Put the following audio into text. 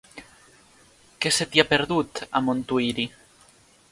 Què se t'hi ha perdut, a Montuïri?